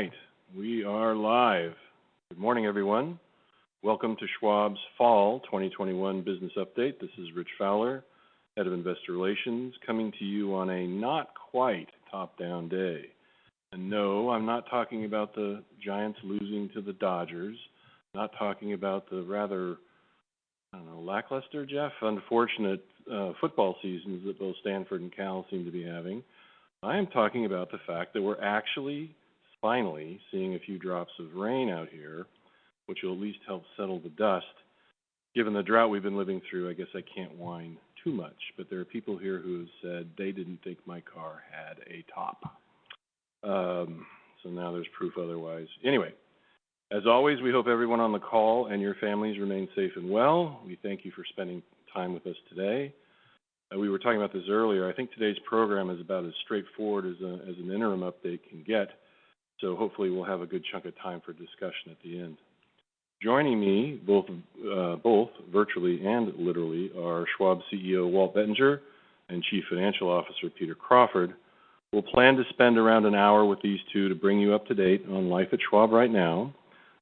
All right. We are live. Good morning, everyone. Welcome to Schwab's Fall 2021 Business Update. This is Rich Fowler, Head of Investor Relations, coming to you on a not quite top-down day. No, I'm not talking about the Giants losing to the Dodgers. I'm not talking about the rather, I don't know, lackluster, Jeff, unfortunate football seasons that both Stanford and Cal seem to be having. I am talking about the fact that we're actually, finally, seeing a few drops of rain out here, which will at least help settle the dust. Given the drought we've been living through, I guess I can't whine too much, but there are people here who have said they didn't think my car had a top. Now there's proof otherwise. As always, we hope everyone on the call and your families remain safe and well. We thank you for spending time with us today. We were talking about this earlier, I think today's program is about as straightforward as an interim update can get. Hopefully we'll have a good chunk of time for discussion at the end. Joining me, both virtually and literally, are Schwab CEO Walt Bettinger and Chief Financial Officer Peter Crawford. We'll plan to spend around an hour with these two to bring you up to date on life at Schwab right now.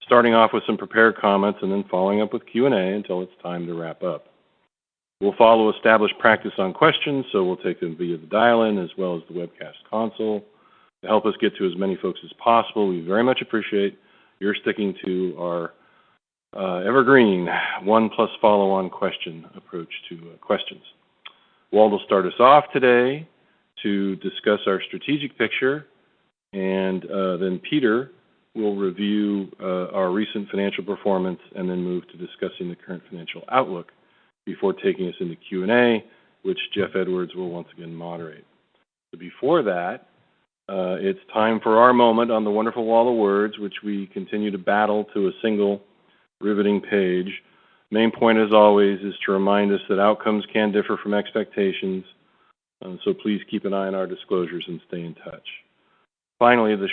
Starting off with some prepared comments and then following up with Q&A until it's time to wrap up. We'll follow established practice on questions, so we'll take them via the dial-in as well as the webcast console. To help us get to as many folks as possible, we very much appreciate your sticking to our evergreen 1+ follow-on question approach to questions. Walt will start us off today to discuss our strategic picture. Peter will review our recent financial performance, move to discussing the current financial outlook before taking us into Q&A, which Jeff Edwards will once again moderate. Before that, it's time for our moment on the wonderful Wall of Words, which we continue to battle to a single riveting page. Main point as always is to remind us that outcomes can differ from expectations. Please keep an eye on our disclosures and stay in touch. Finally, the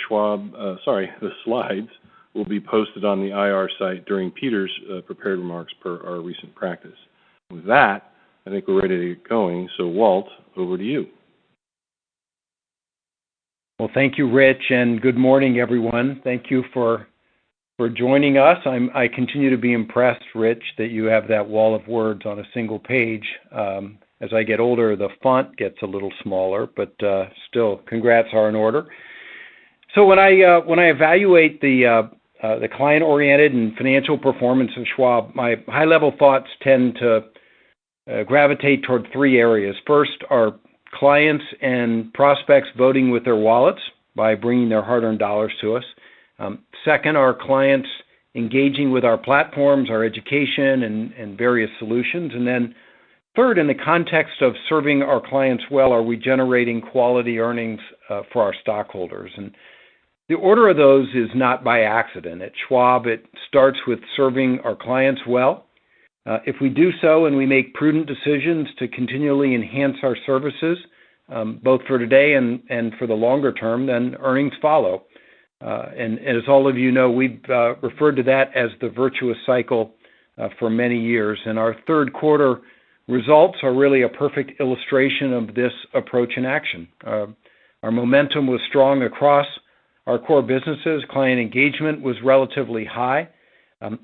slides will be posted on the IR site during Peter's prepared remarks per our recent practice. With that, I think we're ready to get going. Walt, over to you. Well, thank you, Rich, and good morning, everyone. Thank you for joining us. I continue to be impressed, Rich, that you have that Wall of Words on a single page. As I get older, the font gets a little smaller, but still congrats are in order. When I evaluate the client-oriented and financial performance of Schwab, my high-level thoughts tend to gravitate toward three areas. First, are clients and prospects voting with their wallets by bringing their hard-earned dollars to us? Second, are clients engaging with our platforms, our education, and various solutions? Third, in the context of serving our clients well, are we generating quality earnings for our stockholders? The order of those is not by accident. At Schwab, it starts with serving our clients well. If we do so and we make prudent decisions to continually enhance our services, both for today and for the longer term, then earnings follow. As all of you know, we've referred to that as the virtuous cycle for many years. Our Q3 results are really a perfect illustration of this approach in action. Our momentum was strong across our core businesses. Client engagement was relatively high.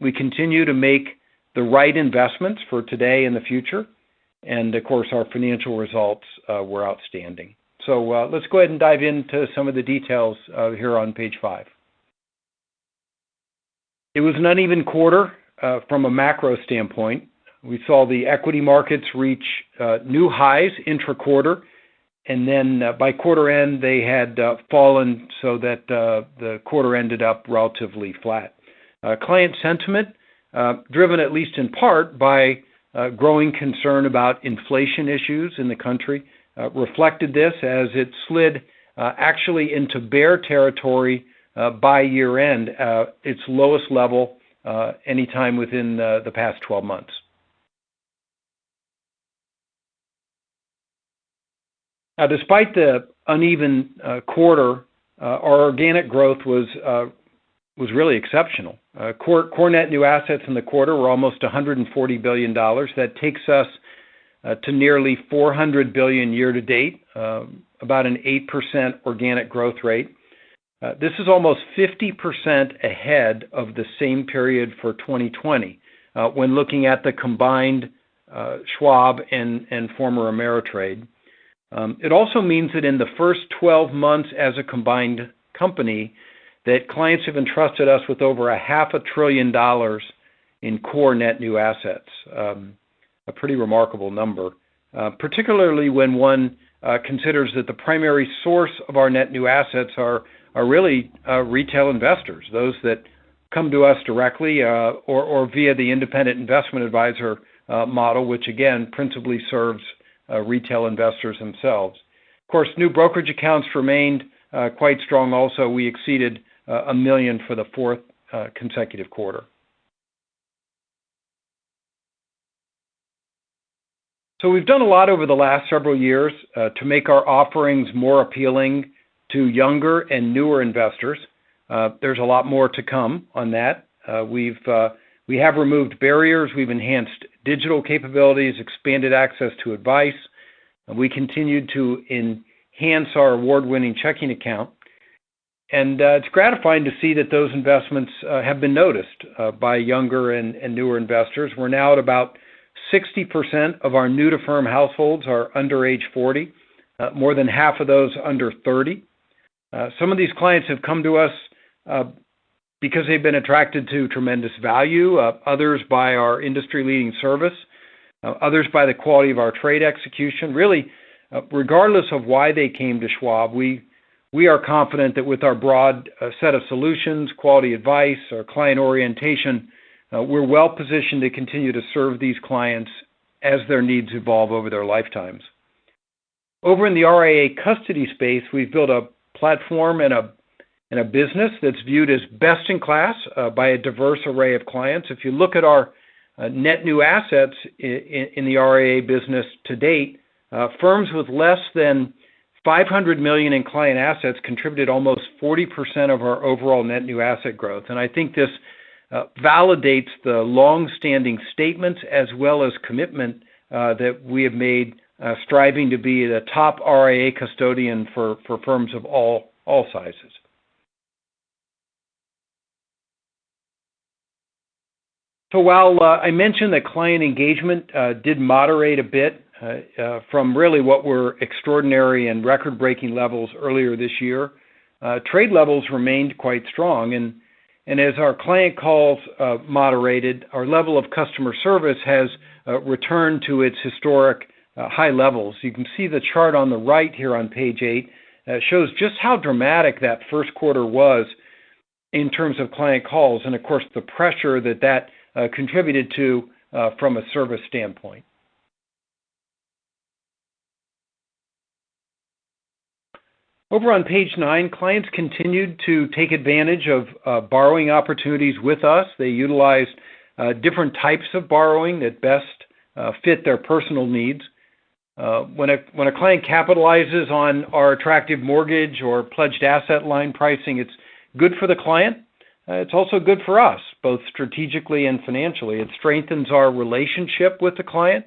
We continue to make the right investments for today and the future. Of course, our financial results were outstanding. Let's go ahead and dive into some of the details here on page five. It was an uneven quarter from a macro standpoint. We saw the equity markets reach new highs intra-quarter, and then by quarter-end they had fallen so that the quarter ended up relatively flat. Client sentiment, driven at least in part by growing concern about inflation issues in the country, reflected this as it slid actually into bear territory by year-end, its lowest level anytime within the past 12 months. Despite the uneven quarter, our organic growth was really exceptional. Core net new assets in the quarter were almost $140 billion. That takes us to nearly $400 billion year-to-date, about an 8% organic growth rate. This is almost 50% ahead of the same period for 2020 when looking at the combined Schwab and former Ameritrade. It also means that in the first 12 months as a combined company, that clients have entrusted us with over a half a trillion dollars in core net new assets. A pretty remarkable number, particularly when one considers that the primary source of our core net new assets are really retail investors, those that come to us directly or via the independent investment advisor model, which again, principally serves retail investors themselves. Of course, new brokerage accounts remained quite strong also. We exceeded $1 million for the fourth consecutive quarter. We've done a lot over the last several years to make our offerings more appealing to younger and newer investors. There's a lot more to come on that. We have removed barriers. We've enhanced digital capabilities, expanded access to advice. We continued to enhance our award-winning checking account. It's gratifying to see that those investments have been noticed by younger and newer investors. We're now at about 60% of our new-to-firm households are under age 40, more than half of those under 30. Some of these clients have come to us because they've been attracted to tremendous value, others by our industry-leading service, others by the quality of our trade execution. Regardless of why they came to Schwab, we are confident that with our broad set of solutions, quality advice, our client orientation, we're well-positioned to continue to serve these clients as their needs evolve over their lifetimes. Over in the RIA custody space, we've built a platform and a business that's viewed as best in class by a diverse array of clients. If you look at our net new assets in the RIA business to date, firms with less than $500 million in client assets contributed almost 40% of our overall net new asset growth. I think this validates the long-standing statements as well as commitment that we have made, striving to be the top RIA custodian for firms of all sizes. While I mentioned that client engagement did moderate a bit from really what were extraordinary and record-breaking levels earlier this year, trade levels remained quite strong. As our client calls moderated, our level of customer service has returned to its historic high levels. You can see the chart on the right here on page eight. It shows just how dramatic that Q1 was in terms of client calls and of course, the pressure that that contributed to from a service standpoint. On page nine, clients continued to take advantage of borrowing opportunities with us. They utilized different types of borrowing that best fit their personal needs. When a client capitalizes on our attractive mortgage or Pledged Asset Line pricing, it's good for the client. It's also good for us, both strategically and financially. It strengthens our relationship with the client.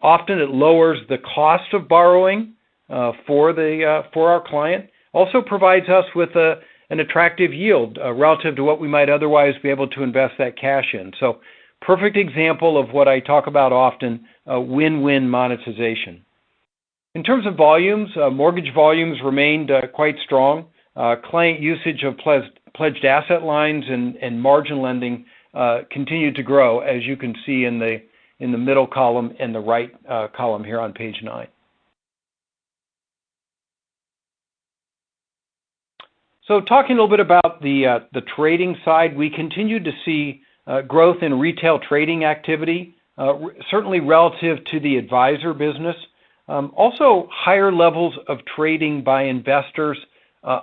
Often, it lowers the cost of borrowing for our client. It also provides us with an attractive yield relative to what we might otherwise be able to invest that cash in. It is a perfect example of what I talk about often, a win-win monetization. In terms of volumes, mortgage volumes remained quite strong. Client usage of Pledged Asset Lines and margin lending continued to grow, as you can see in the middle column and the right column here on page nine. Talking a little bit about the trading side, we continued to see growth in retail trading activity, certainly relative to the advisor business. We also saw higher levels of trading by investors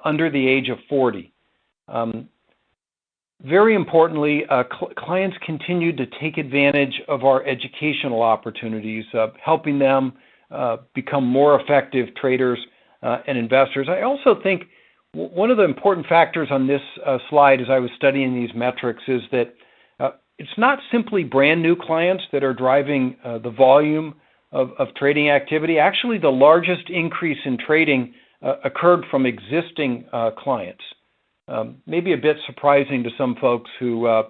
under the age of 40. Very importantly, clients continued to take advantage of our educational opportunities, helping them become more effective traders and investors. I also think one of the important factors on this slide as I was studying these metrics is that it's not simply brand-new clients that are driving the volume of trading activity. Actually, the largest increase in trading occurred from existing clients. Maybe a bit surprising to some folks who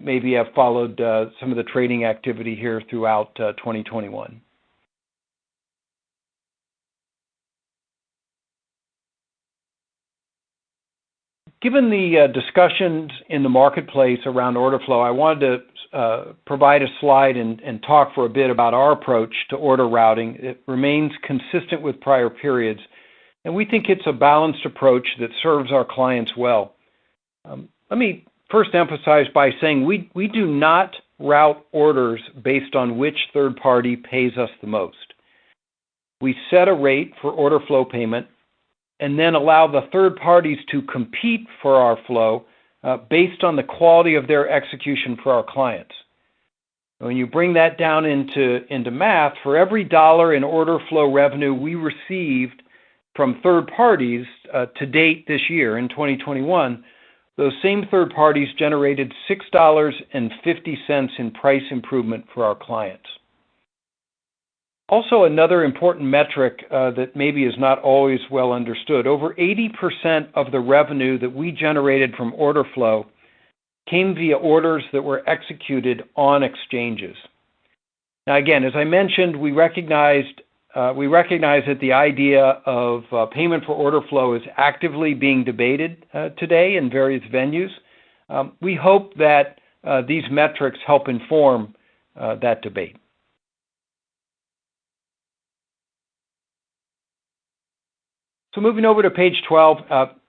maybe have followed some of the trading activity here throughout 2021. Given the discussions in the marketplace around order flow, I wanted to provide a slide and talk for a bit about our approach to order routing. It remains consistent with prior periods, and we think it's a balanced approach that serves our clients well. Let me first emphasize by saying we do not route orders based on which third party pays us the most. We set a rate for order flow payment and then allow the third parties to compete for our flow, based on the quality of their execution for our clients. When you bring that down into math, for every dollar in order flow revenue we received from third parties to date this year in 2021, those same third-parties generated $6.50 in price improvement for our clients. Also, another important metric that maybe is not always well understood. Over 80% of the revenue that we generated from order flow came via orders that were executed on exchanges. Now, again, as I mentioned, we recognize that the idea of payment for order flow is actively being debated today in various venues. We hope that these metrics help inform that debate. Moving over to page 12.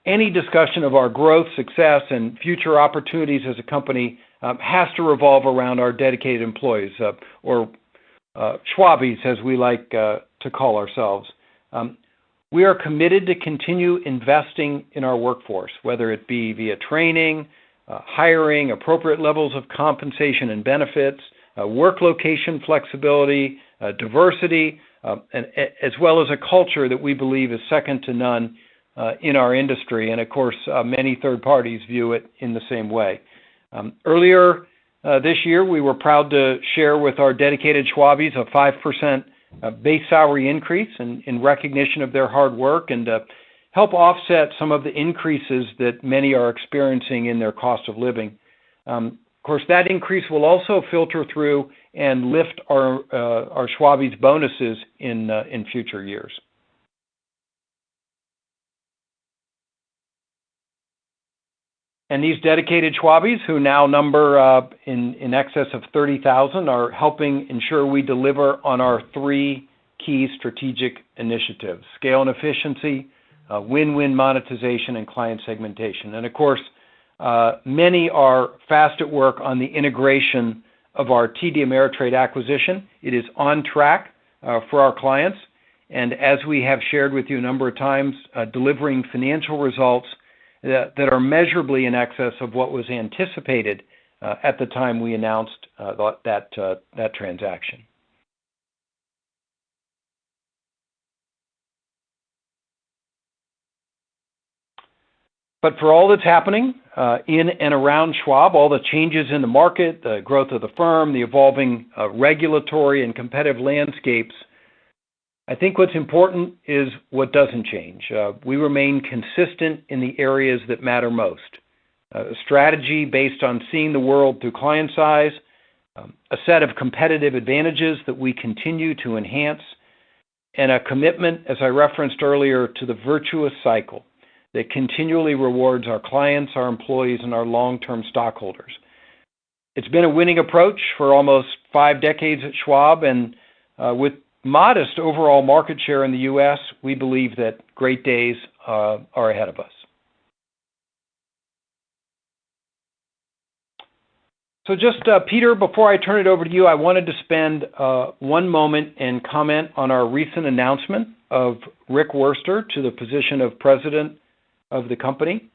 Any discussion of our growth, success, and future opportunities as a company has to revolve around our dedicated employees, or Schwabies as we like to call ourselves. We are committed to continue investing in our workforce, whether it be via training, hiring, appropriate levels of compensation and benefits, work location flexibility, diversity, as well as a culture that we believe is second-to-none in our industry. Of course, many third-parties view it in the same way. Earlier this year, we were proud to share with our dedicated Schwabies a 5% base salary increase in recognition of their hard work and to help offset some of the increases that many are experiencing in their cost of living. Of course, that increase will also filter through and lift our Schwabies' bonuses in future years. These dedicated Schwabies, who now number in excess of 30,000, are helping ensure we deliver on our three key strategic initiatives, scale and efficiency, win-win monetization, and client segmentation. Of course, many are fast at work on the integration of our TD Ameritrade acquisition. It is on track for our clients, and as we have shared with you a number of times, delivering financial results that are measurably in excess of what was anticipated at the time we announced that transaction. For all that's happening in and around Schwab, all the changes in the market, the growth of the firm, the evolving regulatory and competitive landscapes, I think what's important is what doesn't change. We remain consistent in the areas that matter most. A strategy based on seeing the world through Clients' Eyes, a set of competitive advantages that we continue to enhance, and a commitment, as I referenced earlier, to the virtuous cycle that continually rewards our clients, our employees, and our long-term stockholders. It's been a winning approach for almost five decades at Charles Schwab, and with modest overall market share in the U.S., we believe that great days are ahead of us. Just, Peter Crawford, before I turn it over to you, I wanted to spend one moment and comment on our recent announcement of Rick Wurster to the position of President of the company.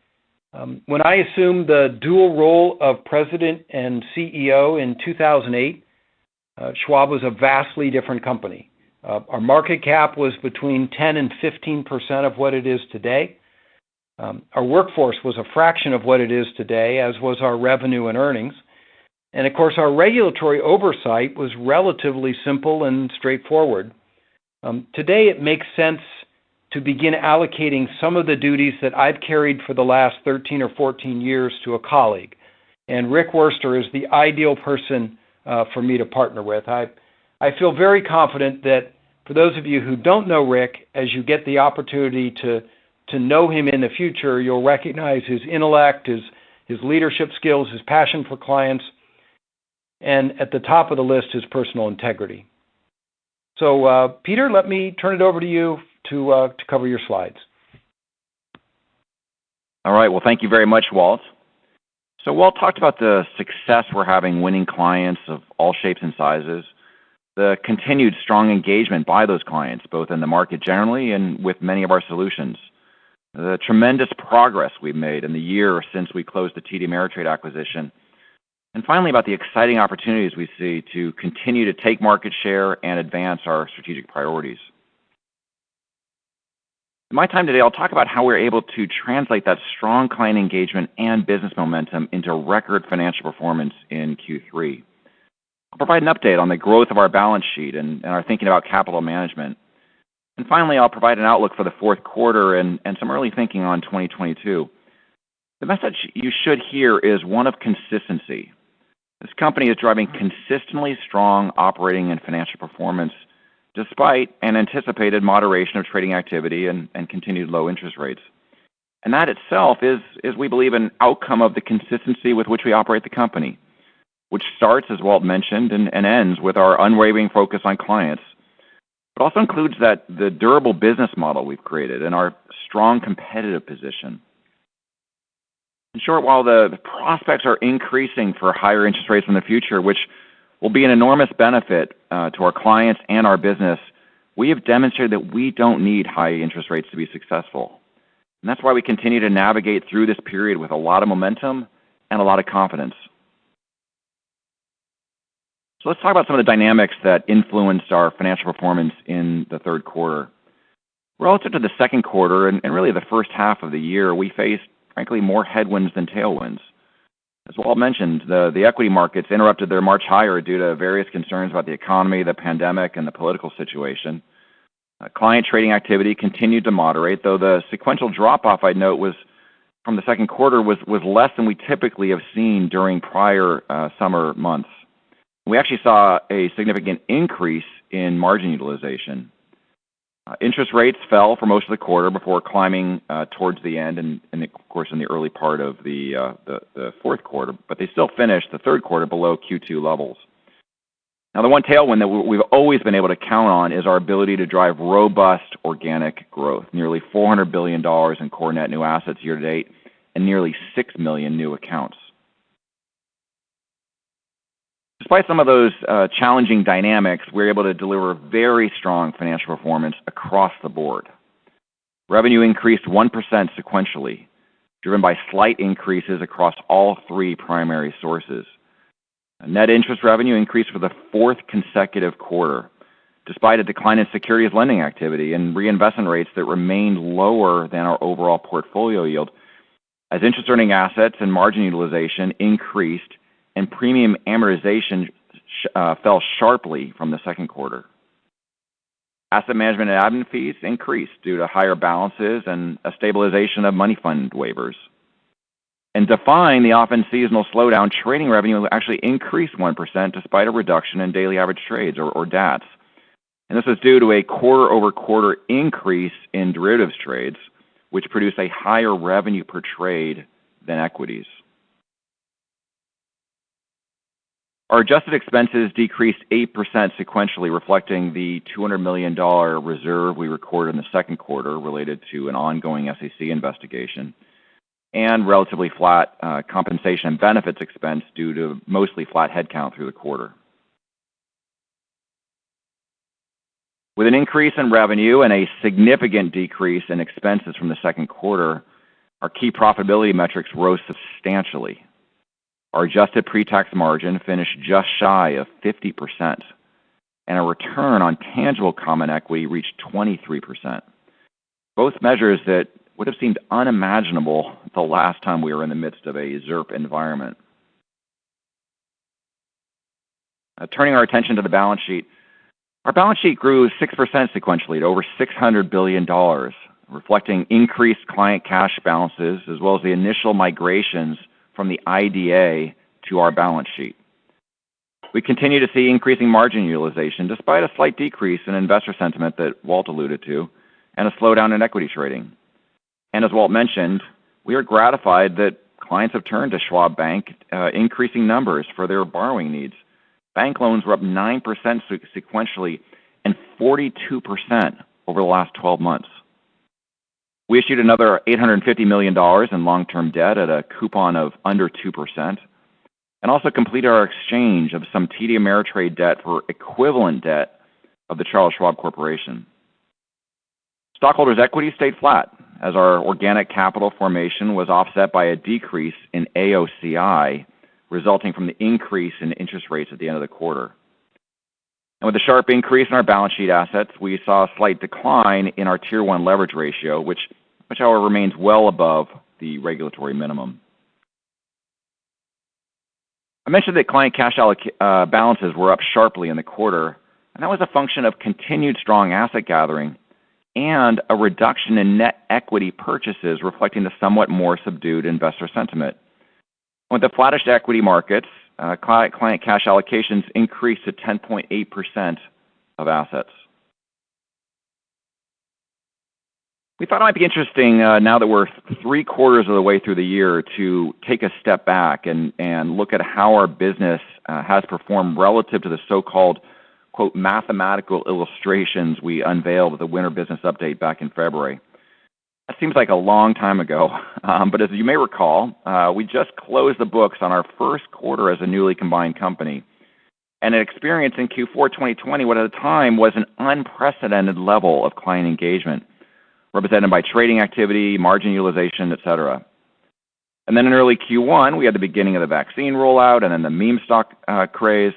When I assumed the dual role of President and CEO in 2008, Charles Schwab was a vastly different company. Our market cap was between 10% and 15% of what it is today. Our workforce was a fraction of what it is today, as was our revenue and earnings. Of course, our regulatory oversight was relatively simple and straightforward. Today, it makes sense to begin allocating some of the duties that I've carried for the last 13 or 14 years to a colleague, and Rick Wurster is the ideal person for me to partner with. I feel very confident that for those of you who don't know Rick, as you get the opportunity to know him in the future, you'll recognize his intellect, his leadership skills, his passion for clients, and at the top of the list, his personal integrity. Peter, let me turn it over to you to cover your slides. All right. Well, thank you very much, Walt. Walt talked about the success we're having winning clients of all shapes and sizes, the continued strong engagement by those clients, both in the market generally and with many of our solutions, the tremendous progress we've made in the year since we closed the TD Ameritrade acquisition, and finally, about the exciting opportunities we see to continue to take market share and advance our strategic priorities. In my time today, I'll talk about how we're able to translate that strong client engagement and business momentum into record financial performance in Q3. I'll provide an update on the growth of our balance sheet and our thinking about capital management. Finally, I'll provide an outlook for the Q4 and some early thinking on 2022. The message you should hear is one of consistency. This company is driving consistently strong operating and financial performance despite an anticipated moderation of trading activity and continued low interest rates. That itself is, we believe, an outcome of the consistency with which we operate the company, which starts, as Walt mentioned, and ends with our unwavering focus on clients. It also includes that the durable business model we've created and our strong competitive position. In short, while the prospects are increasing for higher interest rates in the future, which will be an enormous benefit to our clients and our business, we have demonstrated that we don't need high interest rates to be successful. That's why we continue to navigate through this period with a lot of momentum and a lot of confidence. Let's talk about some of the dynamics that influenced our financial performance in the Q3. Relative to the Q2 and really the H1 of the year, we faced, frankly, more headwinds than tailwinds. As Walt mentioned, the equity markets interrupted their march higher due to various concerns about the economy, the pandemic, and the political situation. Client trading activity continued to moderate, though the sequential drop-off I'd note from the Q2 was less than we typically have seen during prior summer months. We actually saw a significant increase in margin utilization. Interest rates fell for most of the quarter before climbing towards the end, and of course, in the early part of the Q4, but they still finished the Q3 below Q2 levels. Now, the one tailwind that we've always been able to count on is our ability to drive robust organic growth. Nearly $400 billion in core net new assets year-to-date, and nearly 6 million new accounts. Despite some of those challenging dynamics, we were able to deliver very strong financial performance across the board. Revenue increased 1% sequentially, driven by slight increases across all three primary sources. Net interest revenue increased for the fourth consecutive quarter. Despite a decline in securities lending activity and reinvestment rates that remained lower than our overall portfolio yield, as interest earning assets and margin utilization increased and premium amortization fell sharply from the Q2. Asset management and admin fees increased due to higher balances and a stabilization of money fund waivers. Defying the often seasonal slowdown, trading revenue actually increased 1% despite a reduction in daily average trades or DATS. This was due to a quarter-over-quarter increase in derivatives trades, which produced a higher revenue per trade than equities. Our adjusted expenses decreased 8% sequentially, reflecting the $200 million reserve we recorded in the Q2 related to an ongoing SEC investigation and relatively flat compensation and benefits expense due to mostly flat headcount through the quarter. With an increase in revenue and a significant decrease in expenses from the Q2, our key profitability metrics rose substantially. Our adjusted pre-tax margin finished just shy of 50%, and our return on tangible common equity reached 23%, both measures that would have seemed unimaginable the last time we were in the midst of a ZIRP environment. Turning our attention to the balance sheet. Our balance sheet grew 6% sequentially to over $600 billion, reflecting increased client cash balances as well as the initial migrations from the IDA to our balance sheet. We continue to see increasing margin utilization despite a slight decrease in investor sentiment that Walt alluded to and a slowdown in equity trading. As Walt mentioned, we are gratified that clients have turned to Schwab Bank, increasing numbers for their borrowing needs. Bank loans were up 9% sequentially and 42% over the last 12 months. We issued another $850 million in long-term debt at a coupon of under 2% and also completed our exchange of some TD Ameritrade debt for equivalent debt of The Charles Schwab Corporation. Stockholders' equity stayed flat as our organic capital formation was offset by a decrease in AOCI, resulting from the increase in interest rates at the end of the quarter. With a sharp increase in our balance sheet assets, we saw a slight decline in our T1 leverage ratio, which however, remains well above the regulatory minimum. I mentioned that client cash balances were up sharply in the quarter, and that was a function of continued strong asset gathering and a reduction in net equity purchases reflecting the somewhat more subdued investor sentiment. With the flattish equity markets, client cash allocations increased to 10.8% of assets. We thought it might be interesting now that we're three-quarters of the way through the year to take a step back and look at how our business has performed relative to the so-called, quote, "mathematical illustrations" we unveiled with the winter business update back in February. That seems like a long time ago. As you may recall, we just closed the books on our Q1 as a newly combined company and experienced in Q4 2020 what at the time was an unprecedented level of client engagement represented by trading activity, margin utilization, et cetera. In early Q1, we had the beginning of the vaccine rollout and then the meme stock craze.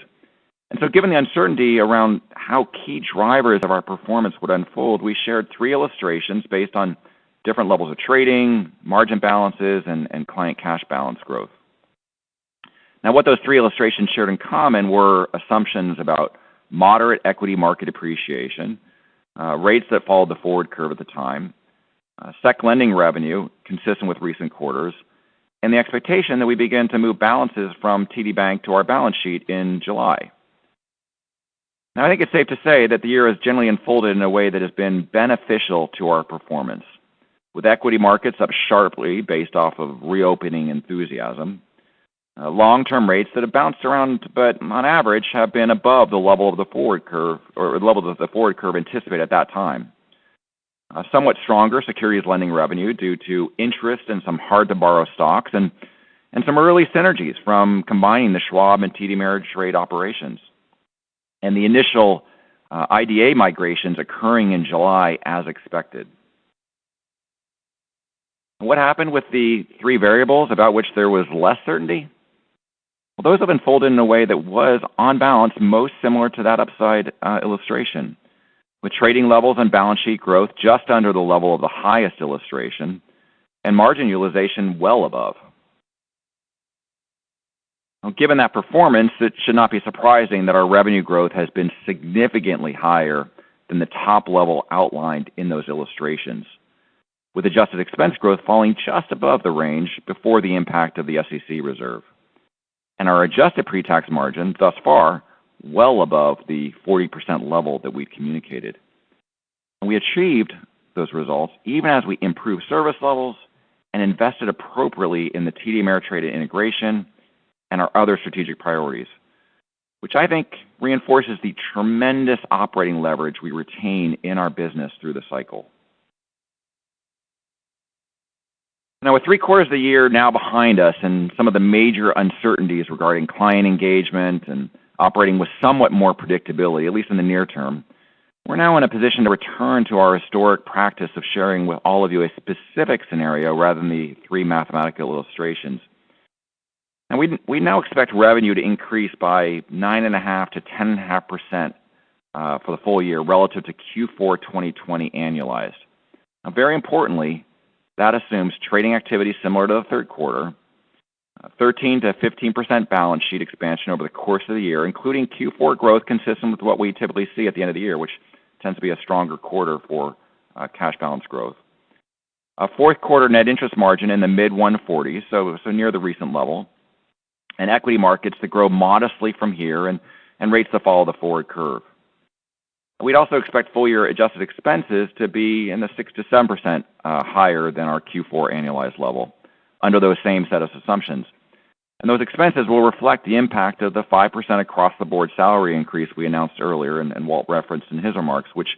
Given the uncertainty around how key drivers of our performance would unfold, we shared three illustrations based on different levels of trading, margin balances, and client cash balance growth. What those three illustrations shared in common were assumptions about moderate equity market appreciation, rates that followed the forward curve at the time, securities lending revenue consistent with recent quarters, and the expectation that we begin to move balances from TD Bank to our balance sheet in July. I think it's safe to say that the year has generally unfolded in a way that has been beneficial to our performance. With equity markets up sharply based off of reopening enthusiasm, long-term rates that have bounced around, but on average have been above the level of the forward curve, or levels of the forward curve anticipated at that time. A somewhat stronger securities lending revenue due to interest and some hard to borrow stocks and some early synergies from combining the Schwab and TD Ameritrade operations. The initial IDA migrations occurring in July as expected. What happened with the three variables about which there was less certainty? Well, those have unfolded in a way that was, on balance, most similar to that upside illustration, with trading levels and balance sheet growth just under the level of the highest illustration and margin utilization well above. Given that performance, it should not be surprising that our revenue growth has been significantly higher than the top level outlined in those illustrations, with adjusted expense growth falling just above the range before the impact of the SEC reserve. Our adjusted pre-tax margin thus far well above the 40% level that we've communicated. We achieved those results even as we improved service levels and invested appropriately in the TD Ameritrade integration and our other strategic priorities, which I think reinforces the tremendous operating leverage we retain in our business through the cycle. Now, with three quarters of the year now behind us and some of the major uncertainties regarding client engagement and operating with somewhat more predictability, at least in the near term, we're now in a position to return to our historic practice of sharing with all of you a specific scenario rather than the three mathematical illustrations. We now expect revenue to increase by 9.5%-10.5% for the full year relative to Q4 2020 annualized. Now, very importantly, that assumes trading activity similar to the Q3, 13%-15% balance sheet expansion over the course of the year, including Q4 growth consistent with what we typically see at the end of the year, which tends to be a stronger quarter for cash balance growth. A Q4 net interest margin in the mid-140s, so near the recent level, and equity markets to grow modestly from here and rates to follow the forward curve. We'd also expect full-year adjusted expenses to be in the 6%-7% higher than our Q4 annualized level under those same set of assumptions. Those expenses will reflect the impact of the 5% across the board salary increase we announced earlier, and Walt referenced in his remarks, which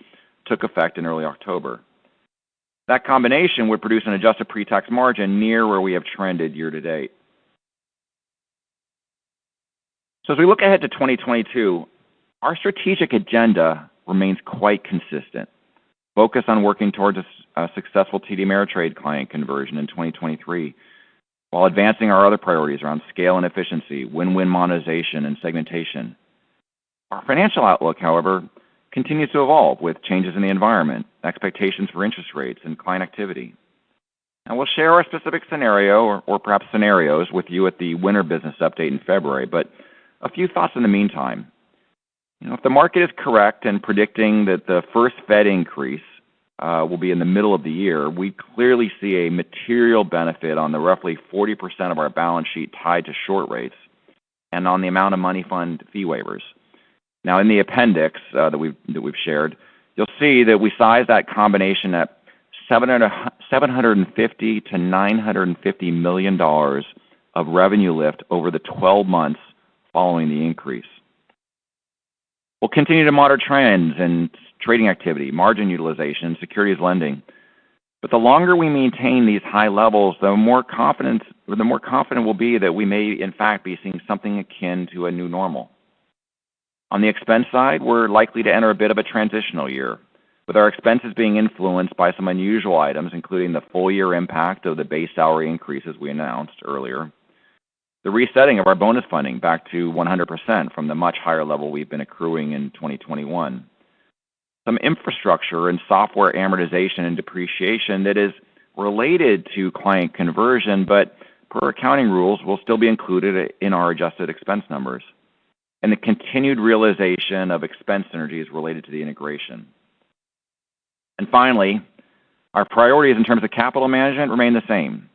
took effect in early October. That combination would produce an adjusted pre-tax margin near where we have trended year to date. As we look ahead to 2022, our strategic agenda remains quite consistent. Focused on working towards a successful TD Ameritrade client conversion in 2023, while advancing our other priorities around scale and efficiency, win-win monetization, and segmentation. Our financial outlook, however, continues to evolve with changes in the environment, expectations for interest rates, and client activity. We'll share our specific scenario, or perhaps scenarios, with you at the winter business update in February, but a few thoughts in the meantime. If the market is correct in predicting that the first Fed increase will be in the middle of the year, we clearly see a material benefit on the roughly 40% of our balance sheet tied to short rates and on the amount of money fund fee waivers. In the appendix that we've shared, you'll see that we size that combination at $750 million-$950 million of revenue lift over the 12 months following the increase. We'll continue to monitor trends and trading activity, margin utilization, securities lending. The longer we maintain these high levels, the more confident we'll be that we may, in fact, be seeing something akin to a new normal. On the expense side, we're likely to enter a bit of a transitional year, with our expenses being influenced by some unusual items, including the full-year impact of the base salary increases we announced earlier, the resetting of our bonus funding back to 100% from the much higher level we've been accruing in 2021, some infrastructure and software amortization and depreciation that is related to client conversion, but per accounting rules, will still be included in our adjusted expense numbers, and the continued realization of expense synergies related to the integration. Finally, our priorities in terms of capital management remain the same,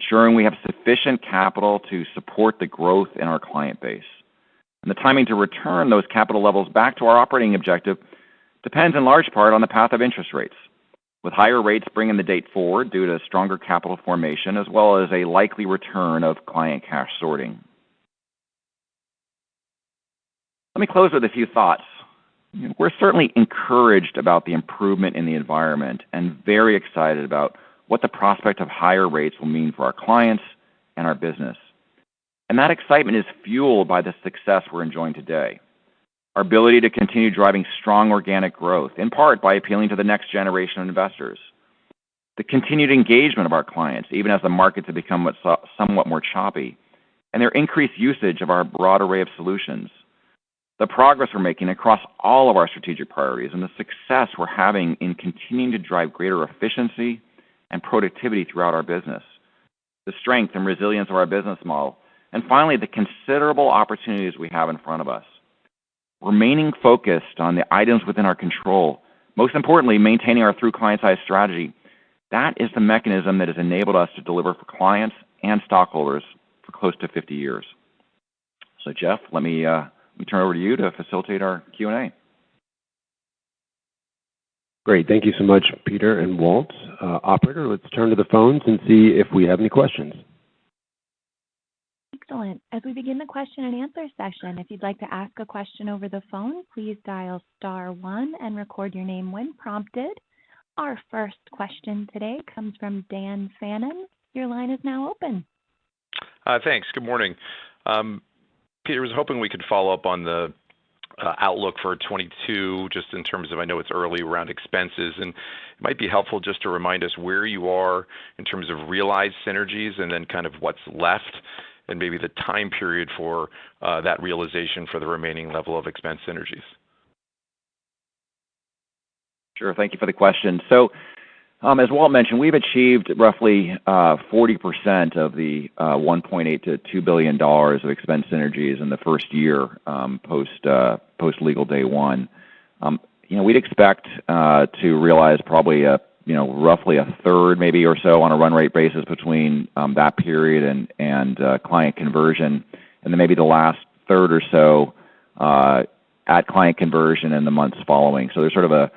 ensuring we have sufficient capital to support the growth in our client base. The timing to return those capital levels back to our operating objective depends in large part on the path of interest rates, with higher rates bringing the date forward due to stronger capital formation, as well as a likely return of client cash sorting. Let me close with a few thoughts. We're certainly encouraged about the improvement in the environment and very excited about what the prospect of higher rates will mean for our clients and our business. That excitement is fueled by the success we're enjoying today. Our ability to continue driving strong organic growth, in part by appealing to the next generation of investors. The continued engagement of our clients, even as the markets have become somewhat more choppy, and their increased usage of our broad array of solutions. The progress we're making across all of our strategic priorities and the success we're having in continuing to drive greater efficiency and productivity throughout our business. The strength and resilience of our business model. Finally, the considerable opportunities we have in front of us. Remaining focused on the items within our control, most importantly, maintaining our Through Clients' Eyes strategy, that is the mechanism that has enabled us to deliver for clients and stockholders for close to 50 years. Jeff, let me turn it over to you to facilitate our Q&A. Great. Thank you so much, Peter and Walt. Operator, let's turn to the phones and see if we have any questions. Excellent. As we begin the question-and-answer session, if you'd like to ask a question over the phone, please dial star one and record your name when prompted. Our first question today comes from Daniel Fannon. Your line is now open. Thanks. Good morning. Peter, I was hoping we could follow-up on the outlook for 2022, just in terms of, I know it's early around expenses. It might be helpful just to remind us where you are in terms of realized synergies and then kind of what's left and maybe the time period for that realization for the remaining level of expense synergies. Thank you for the question. As Walt mentioned, we've achieved roughly 40% of the $1.8 billion-$2 billion of expense synergies in the first year, post legal day one. We'd expect to realize probably roughly a third maybe or so on a run-rate basis between that period and client conversion, then maybe the last third or so at client conversion in the months following. There's sort of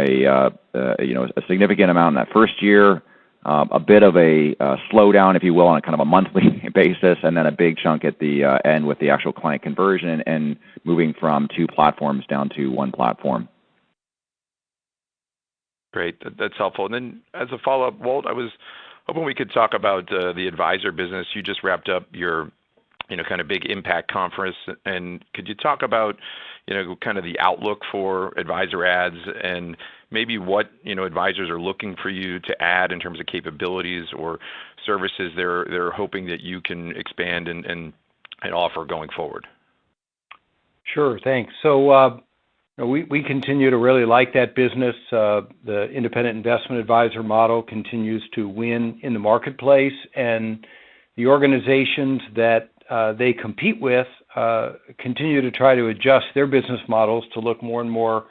a significant amount in that first year, a bit of a slowdown, if you will, on a kind of a monthly basis, then a big chunk at the end with the actual client conversion and moving from two platforms down to one platform. Great. That's helpful. As a follow-up, Walt, I was hoping we could talk about the advisor business. You just wrapped up your kind of big IMPACT conference, and could you talk about kind of the outlook for advisor assets and maybe what advisors are looking for you to add in terms of capabilities or services they're hoping that you can expand and offer going forward? Sure. Thanks. We continue to really like that business. The independent investment advisor model continues to win in the marketplace, and the organizations that they compete with continue to try to adjust their business models to look more and more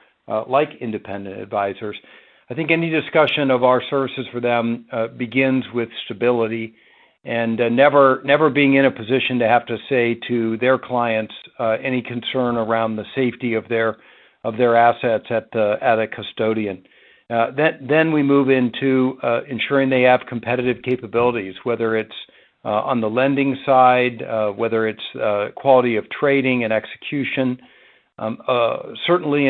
like independent advisors. I think any discussion of our services for them begins with stability and never being in a position to have to say to their clients any concern around the safety of their assets at a custodian. We move into ensuring they have competitive capabilities, whether it's on the lending side, whether it's quality of trading and execution. An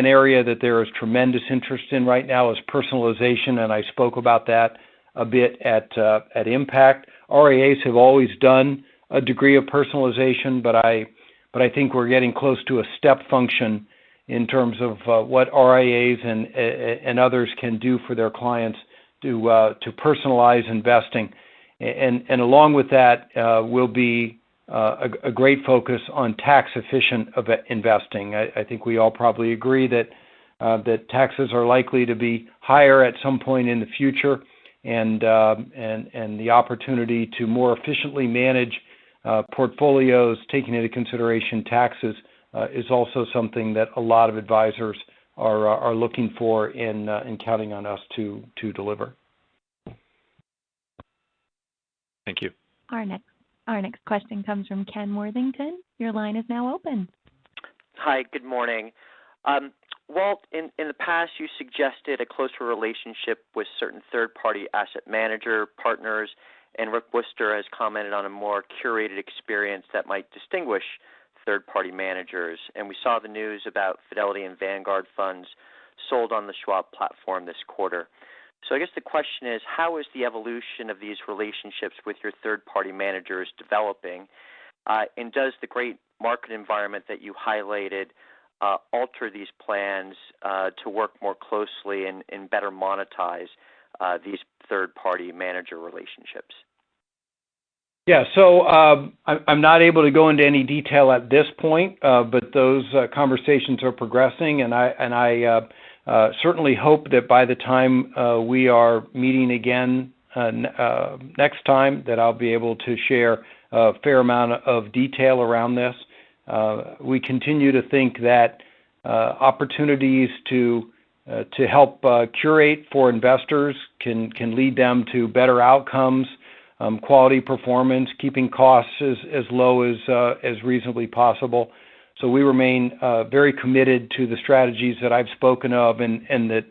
area that there is tremendous interest in right now is personalization, and I spoke about that a bit at IMPACT. RIAs have always done a degree of personalization. I think we're getting close to a step function in terms of what RIAs and others can do for their clients to personalize investing. Along with that will be a great focus on tax-efficient investing. I think we all probably agree that taxes are likely to be higher at some point in the future. The opportunity to more efficiently manage portfolios, taking into consideration taxes, is also something that a lot of advisors are looking for and counting on us to deliver. Thank you. Our next question comes from Kenneth Worthington. Your line is now open. Hi, good morning. Walt, in the past, you suggested a closer relationship with certain third-party asset manager partners. Rick Wurster has commented on a more curated experience that might distinguish third-party managers. We saw the news about Fidelity and Vanguard funds sold on the Schwab platform this quarter. I guess the question is, how is the evolution of these relationships with your third-party managers developing? Does the great market environment that you highlighted alter these plans to work more closely and better monetize these third-party manager relationships? Yeah. I'm not able to go into any detail at this point, but those conversations are progressing, and I certainly hope that by the time we are meeting again next time, that I'll be able to share a fair amount of detail around this. We continue to think that opportunities to help curate for investors can lead them to better outcomes, quality performance, keeping costs as low as reasonably possible. We remain very committed to the strategies that I've spoken of and that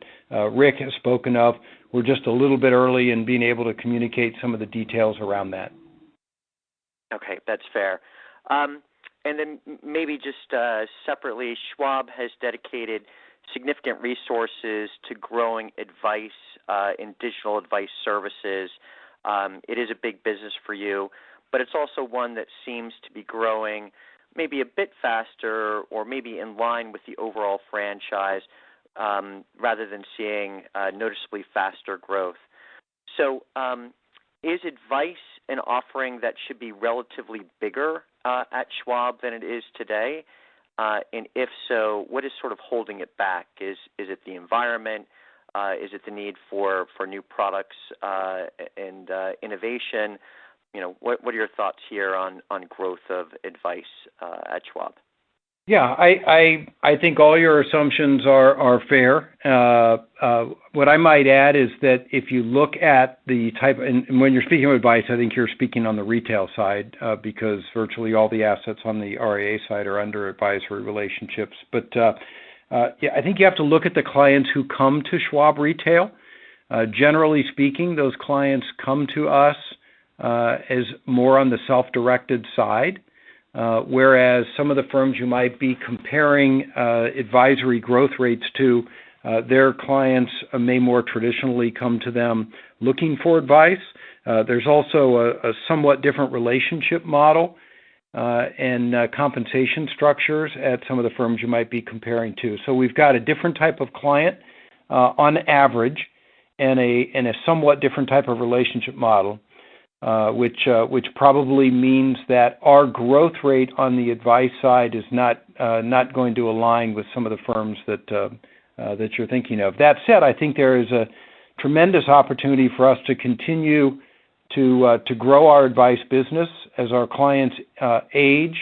Rick has spoken of. We're just a little bit early in being able to communicate some of the details around that. Okay. That's fair. Maybe just separately, Schwab has dedicated significant resources to growing advice and digital advice services. It is a big business for you, it's also one that seems to be growing maybe a bit faster or maybe in line with the overall franchise rather than seeing noticeably faster growth. Is advice an offering that should be relatively bigger at Schwab than it is today? If so, what is sort of holding it back? Is it the environment? Is it the need for new products and innovation? What are your thoughts here on growth of advice at Schwab? I think all your assumptions are fair. What I might add is that if you look at the type when you're speaking of advice, I think you're speaking on the retail side because virtually all the assets on the RIA side are under advisory relationships. I think you have to look at the clients who come to Schwab retail. Generally speaking, those clients come to us as more on the self-directed side, whereas some of the firms you might be comparing advisory growth rates to their clients may more traditionally come to them looking for advice. There's also a somewhat different relationship model, and compensation structures at some of the firms you might be comparing to. We've got a different type of client, on average, and a somewhat different type of relationship model, which probably means that our growth rate on the advice side is not going to align with some of the firms that you're thinking of. That said, I think there is a tremendous opportunity for us to continue to grow our advice business as our clients age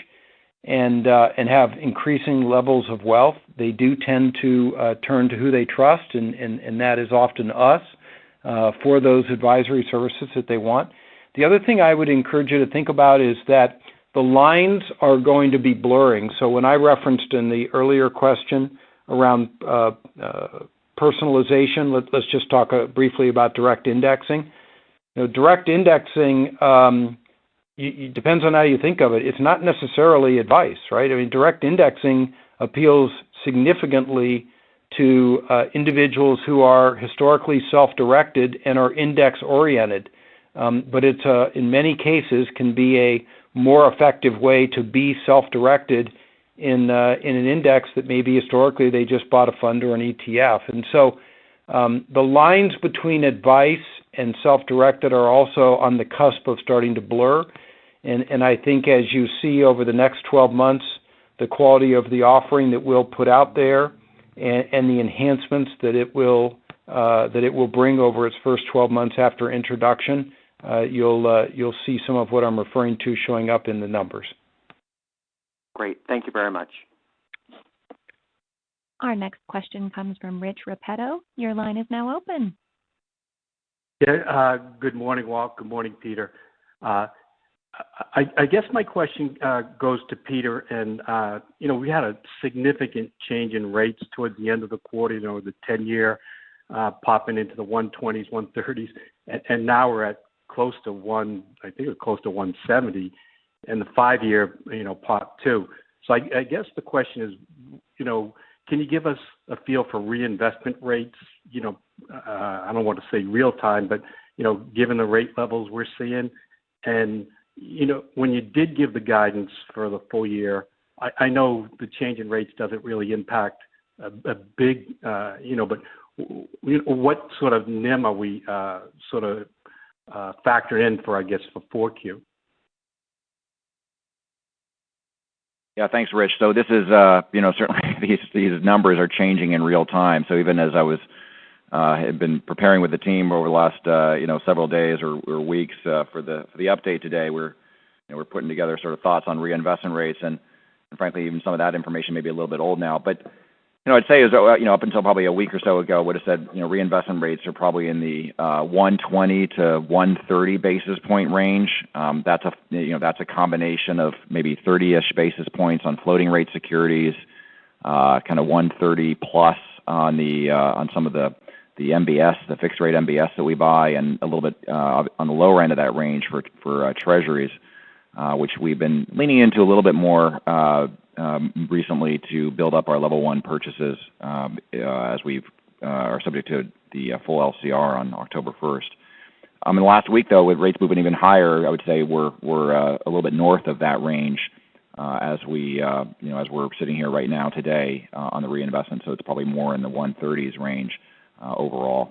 and have increasing levels of wealth. They do tend to turn to who they trust, and that is often us for those advisory services that they want. The other thing I would encourage you to think about is that the lines are going to be blurring. When I referenced in the earlier question around personalization, let's just talk briefly about direct indexing. Direct indexing, depends on how you think of it. It's not necessarily advice, right? I mean, direct indexing appeals significantly to individuals who are historically self-directed and are index-oriented. It, in many cases, can be a more effective way to be self-directed in an index that maybe historically they just bought a fund or an ETF. The lines between advice and self-directed are also on the cusp of starting to blur. I think as you see over the next 12 months, the quality of the offering that we'll put out there and the enhancements that it will bring over its first 12 months after introduction, you'll see some of what I'm referring to showing up in the numbers. Great. Thank you very much. Our next question comes from Richard Repetto. Your line is now open. Good morning, Walt. Good morning, Peter. I guess my question goes to Peter. We had a significant change in rates towards the end of the quarter, the 10-year popping into the 120s, 130s, and now we're at close to 170, and the five-year popped too. I guess the question is, can you give us a feel for reinvestment rates? I don't want to say real time, but given the rate levels we're seeing. When you did give the guidance for the full-year, I know the change in rates doesn't really impact. What sort of NIM are we sort of factor in for, I guess, for 4Q? Thanks, Rich. Certainly these numbers are changing in real time. Even as I had been preparing with the team over the last several days or weeks for the update today, we're putting together sort of thoughts on reinvestment rates and frankly, even some of that information may be a little bit old now. I'd say is up until probably a week or so ago, would've said reinvestment rates are probably in the 120-130 basis point range. That's a combination of maybe 30-ish basis points on floating rate securities, kind of 130+ on some of the MBS, the fixed rate MBS that we buy, and a little bit on the lower end of that range for treasuries, which we've been leaning into a little bit more recently to build up our level one purchases as we are subject to the full LCR on October 1st. In the last week though, with rates moving even higher, I would say we're a little bit north of that range as we're sitting here right now today on the reinvestment. It's probably more in the 130s range overall.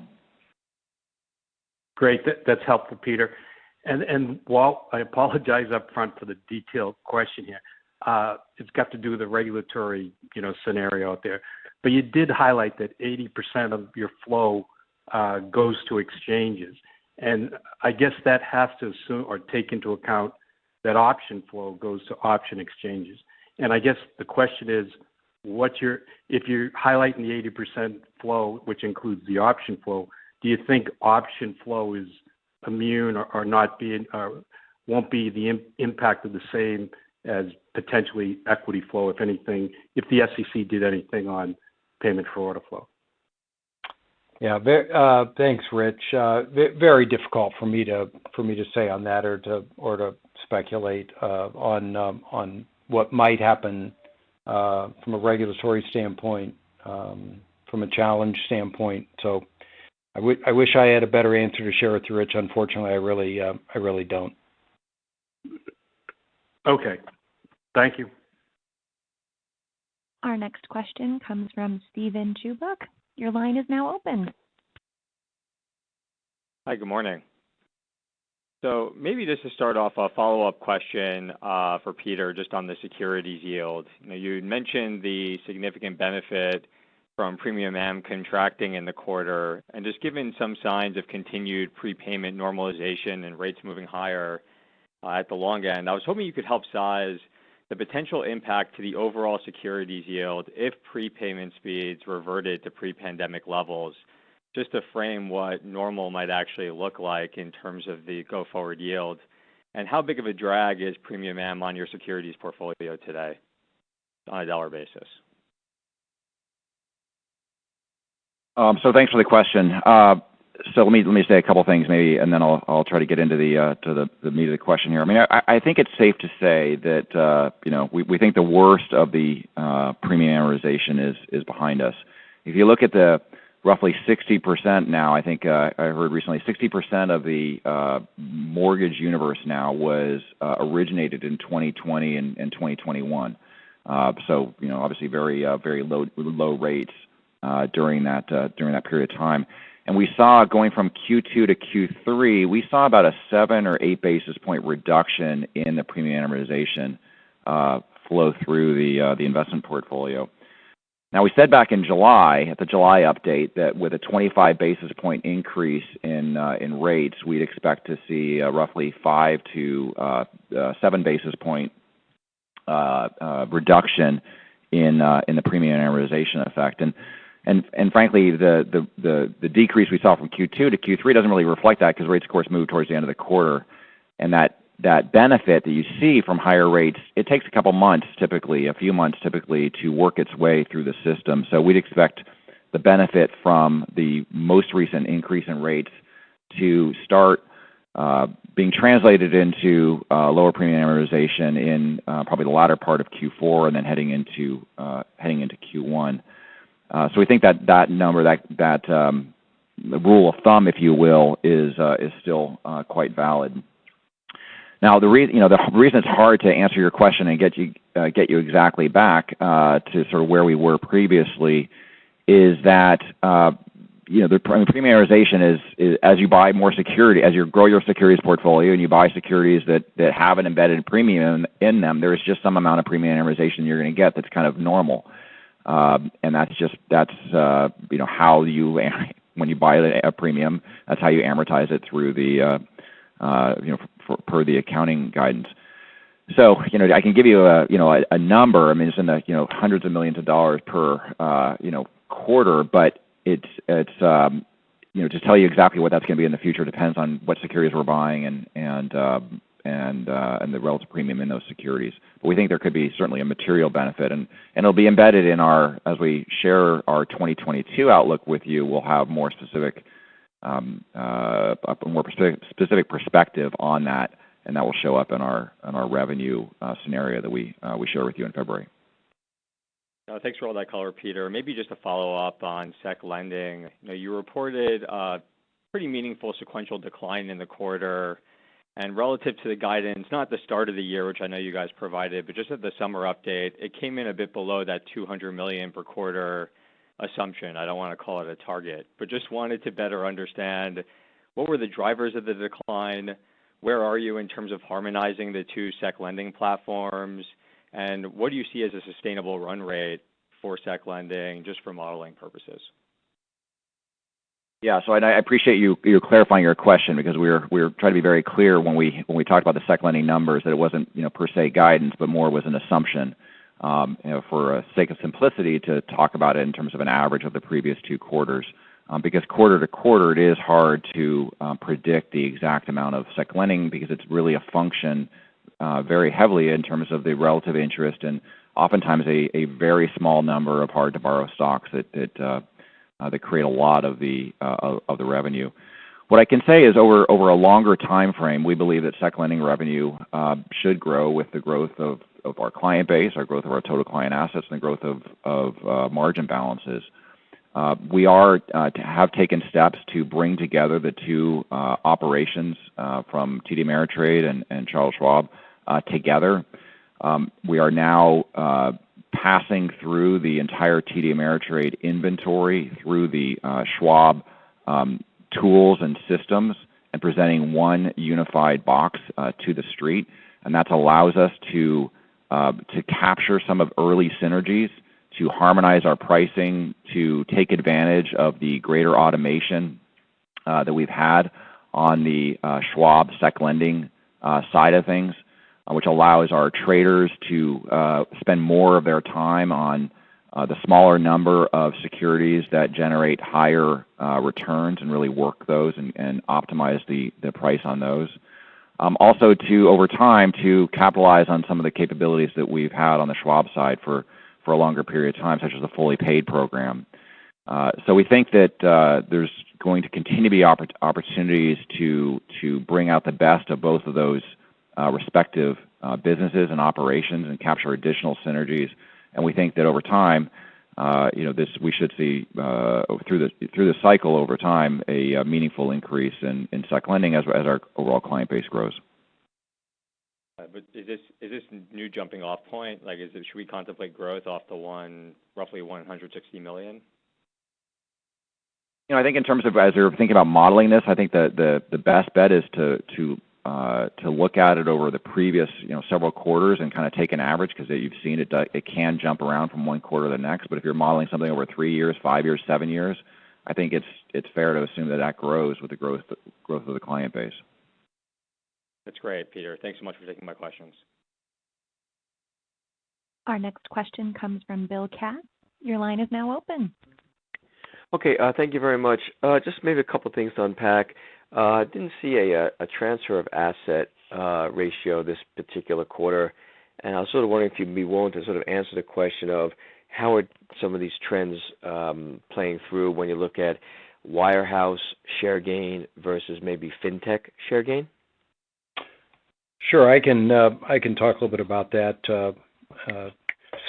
Great. That's helpful, Peter. Walt, I apologize up front for the detailed question here. It's got to do with the regulatory scenario out there. You did highlight that 80% of your flow goes to exchanges. I guess that has to assume or take into account that option flow goes to option exchanges. I guess the question is, if you're highlighting the 80% flow, which includes the option flow, do you think option flow is immune or won't be the impact of the same as potentially equity flow, if anything, if the SEC did anything on payment for order flow? Yeah. Thanks, Rich. Very difficult for me to say on that or to speculate on what might happen from a regulatory standpoint, from a challenge standpoint. I wish I had a better answer to share with you, Rich. Unfortunately, I really don't. Okay. Thank you. Our next question comes from Steven Chubak. Hi, good morning. Maybe just to start off, a follow-up question for Peter just on the securities yield. You had mentioned the significant benefit from premium am contracting in the quarter. Just given some signs of continued prepayment normalization and rates moving higher at the long-end, I was hoping you could help size the potential impact to the overall securities yield if prepayment speeds reverted to pre-pandemic levels. Just to frame what normal might actually look like in terms of the go forward yield. How big of a drag is premium am on your securities portfolio today on a dollar basis? Thanks for the question. Let me say a couple things maybe, and then I'll try to get into the meat of the question here. I think it's safe to say that we think the worst of the premium amortization is behind us. If you look at the roughly 60% now, I think I heard recently, 60% of the mortgage universe now was originated in 2020 and 2021. Obviously very low rates during that period of time. We saw going from Q2 to Q3, we saw about a 7 or 8 basis point reduction in the premium amortization flow through the investment portfolio. We said back in July, at the July update, that with a 25 basis point increase in rates, we'd expect to see roughly 5-7 basis point reduction in the premium amortization effect. Frankly, the decrease we saw from Q2-Q3 doesn't really reflect that because rates, of course, moved towards the end of the quarter. That benefit that you see from higher rates, it takes a couple months typically, a few months typically, to work its way through the system. We'd expect the benefit from the most recent increase in rates to start being translated into lower premium amortization in probably the latter part of Q4 and then heading into Q1. We think that that number, that rule of thumb, if you will, is still quite valid. Now, the reason it's hard to answer your question and get you exactly back to sort of where we were previously is that the premiumization is, as you buy more security, as you grow your securities portfolio and you buy securities that have an embedded premium in them, there is just some amount of premium amortization you're going to get that's kind of normal. When you buy at a premium, that's how you amortize it per the accounting guidance. I can give you a number. It's in the hundreds of millions of dollars per quarter. To tell you exactly what that's going to be in the future depends on what securities we're buying and the relative premium in those securities. We think there could be certainly a material benefit, and it'll be embedded as we share our 2022 outlook with you. We'll have a more specific perspective on that, and that will show up in our revenue scenario that we share with you in February. Thanks for all that color, Peter. Maybe just a follow-up on securities lending. You reported a pretty meaningful sequential decline in the quarter, and relative to the guidance, not the start of the year, which I know you guys provided, but just at the summer update, it came in a bit below that $200 million per quarter assumption. I don't want to call it a target. Just wanted to better understand what were the drivers of the decline, where are you in terms of harmonizing the two securities lending platforms, and what do you see as a sustainable run-rate for securities lending, just for modeling purposes? Yeah. I appreciate you clarifying your question because we try to be very clear when we talk about the securities lending numbers, that it wasn't per se guidance, but more was an assumption, for sake of simplicity, to talk about it in terms of an average of the previous two quarters. Because quarter-to-quarter, it is hard to predict the exact amount of securities lending because it's really a function very heavily in terms of the relative interest, and oftentimes, a very small number of hard-to-borrow stocks that create a lot of the revenue. What I can say is, over a longer timeframe, we believe that securities lending revenue should grow with the growth of our client base, our growth of our total client assets, and the growth of margin balances. We have taken steps to bring together the two operations from TD Ameritrade and Charles Schwab together. We are now passing through the entire TD Ameritrade inventory through the Schwab tools and systems and presenting one unified box to the street. That allows us to capture some of early synergies to harmonize our pricing, to take advantage of the greater automation that we've had on the Schwab sec lending side of things, which allows our traders to spend more of their time on the smaller number of securities that generate higher returns and really work those and optimize the price on those. Also, over time, to capitalize on some of the capabilities that we've had on the Schwab side for a longer period of time, such as the Fully Paid Program. We think that there's going to continue to be opportunities to bring out the best of both of those respective businesses and operations and capture additional synergies. We think that over time, we should see, through the cycle over time, a meaningful increase in sec lending as our overall client base grows. Is this new jumping off point? Should we contemplate growth off the roughly $160 million? I think in terms of as you're thinking about modeling this, I think the best bet is to look at it over the previous several quarters and kind of take an average, because you've seen it can jump around from one quarter to the next. If you're modeling something over three years, five years, seven years, I think it's fair to assume that that grows with the growth of the client base. That's great, Peter. Thanks so much for taking my questions. Our next question comes from Bill Katz your line is now open. Okay. Thank you very much. Just maybe a couple of things to unpack. Didn't see a transfer of asset ratio this particular quarter, and I was sort of wondering if you'd be willing to sort of answer the question of how are some of these trends playing through when you look at wirehouse share gain versus maybe fintech share gain? Sure. I can talk a little bit about that.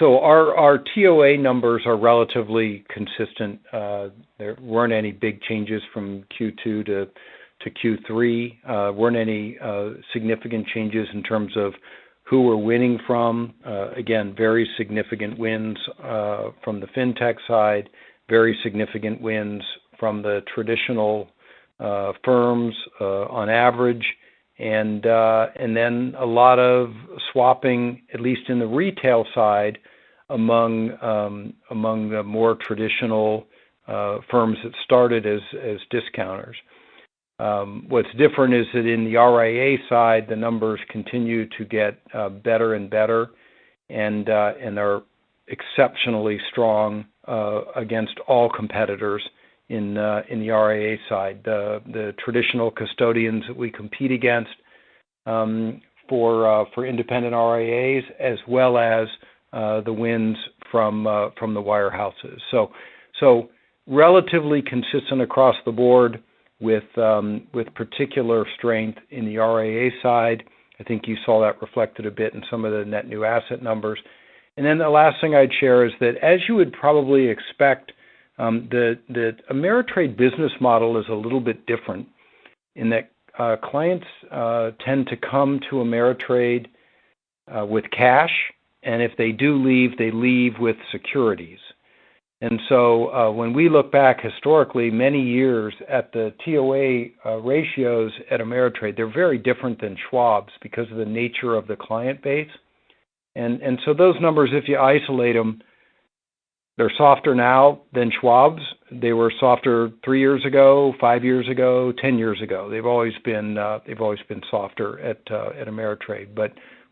Our TOA numbers are relatively consistent. There weren't any big changes from Q2 to Q3. Weren't any significant changes in terms of who we're winning from. Again, very significant wins from the fintech side, very significant wins from the traditional firms, on average. A lot of swapping, at least in the retail side, among the more traditional firms that started as discounters. What's different is that in the RIA side, the numbers continue to get better and better, and are exceptionally strong against all competitors in the RIA side. The traditional custodians that we compete against for independent RIAs, as well as the wins from the wirehouses. Relatively consistent across the board with particular strength in the RIA side. I think you saw that reflected a bit in some of the net new asset numbers. The last thing I'd share is that as you would probably expect. The Ameritrade business model is a little bit different in that clients tend to come to Ameritrade with cash, and if they do leave, they leave with securities. When we look back historically, many years at the TOA ratios at Ameritrade, they're very different than Schwab's because of the nature of the client base. Those numbers, if you isolate them, they're softer now than Schwab's. They were softer three years ago, five years ago, 10 years ago. They've always been softer at Ameritrade.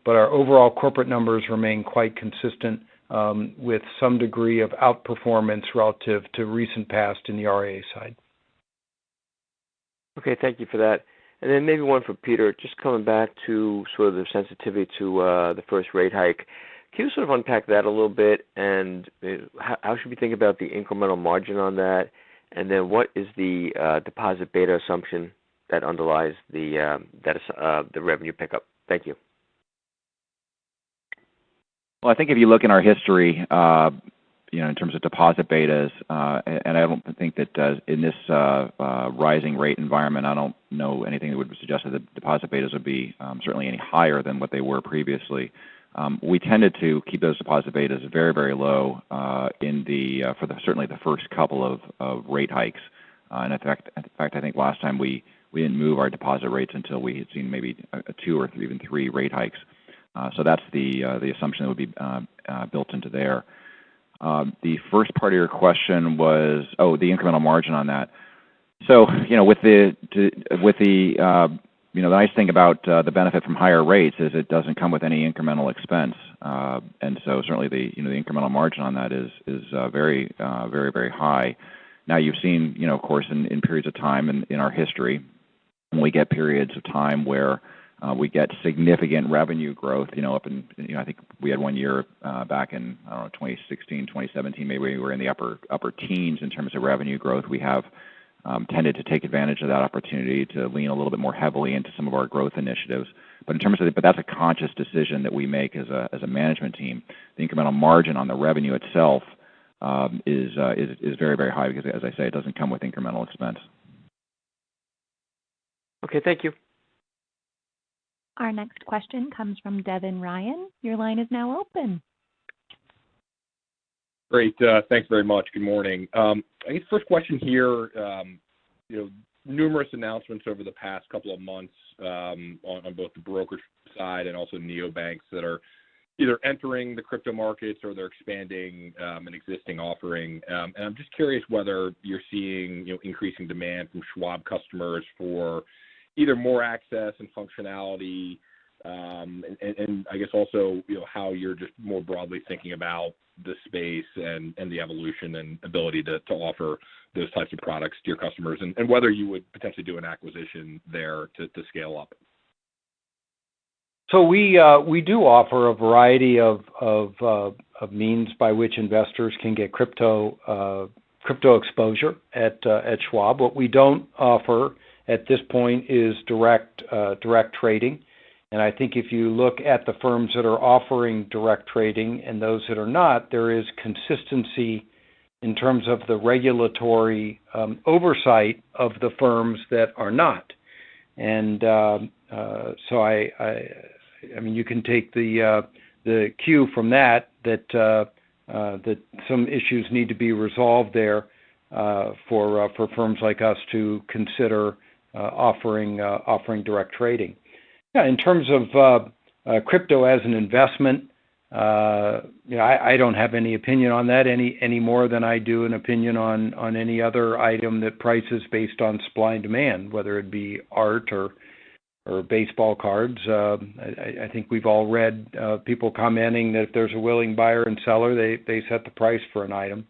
Our overall corporate numbers remain quite consistent with some degree of outperformance relative to recent past in the RIA side. Okay. Thank you for that. Maybe one for Peter, just coming back to sort of the sensitivity to the first rate hike. Can you sort of unpack that a little bit and how should we think about the incremental margin on that? What is the deposit beta assumption that underlies the revenue pickup? Thank you. Well, I think if you look in our history, in terms of deposit betas, and I don't think that in this rising rate environment, I don't know anything that would suggest that deposit betas would be certainly any higher than what they were previously. We tended to keep those deposit betas very, very low for certainly the first couple of rate hikes. In fact, I think last time we didn't move our deposit rates until we had seen maybe two or even three rate hikes. That's the assumption that would be built into there. The first part of your question was, oh, the incremental margin on that. The nice thing about the benefit from higher rates is it doesn't come with any incremental expense. Certainly the incremental margin on that is very high. Now you've seen, of course, in periods of time in our history, when we get periods of time where we get significant revenue growth. I think we had one year back in, I don't know, 2016, 2017, maybe we were in the upper teens in terms of revenue growth. We have tended to take advantage of that opportunity to lean a little bit more heavily into some of our growth initiatives. That's a conscious decision that we make as a management team. The incremental margin on the revenue itself is very, very high because, as I say, it doesn't come with incremental expense. Okay. Thank you. Our next question comes from Devin Ryan. Your line is now open. Great. Thanks very much. Good morning. I guess first question here, numerous announcements over the past couple of months, on both the brokerage side and also neobanks that are either entering the crypto markets or they're expanding an existing offering. I'm just curious whether you're seeing increasing demand from Schwab customers for either more access and functionality, and I guess also, how you're just more broadly thinking about the space and the evolution and ability to offer those types of products to your customers, and whether you would potentially do an acquisition there to scale up. We do offer a variety of means by which investors can get crypto exposure at Schwab. What we don't offer at this point is direct trading. I think if you look at the firms that are offering direct trading and those that are not, there is consistency in terms of the regulatory oversight of the firms that are not. You can take the cue from that some issues need to be resolved there for firms like us to consider offering direct trading. Yeah, in terms of crypto as an investment, I don't have any opinion on that any more than I do an opinion on any other item that prices based on supply and demand, whether it be art or baseball cards. I think we've all read people commenting that if there's a willing buyer and seller, they set the price for an item.